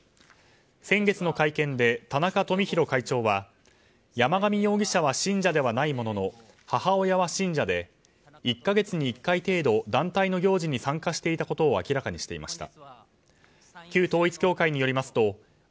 先月の会見で、田中富広会長は山上容疑者は信者ではないものの母親は信者で１か月に１回程度団体の行事に参加していたことを明らかにしていました。